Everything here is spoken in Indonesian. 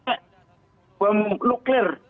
tidak pakai nuklir